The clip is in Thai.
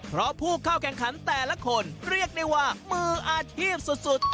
เพราะผู้เข้าแข่งขันแต่ละคนเรียกได้ว่ามืออาชีพสุด